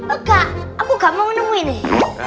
enggak aku gak mau menemuinya